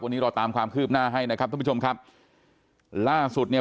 วันนี้เราตามความคืบหน้าให้นะครับท่านผู้ชมครับล่าสุดเนี่ย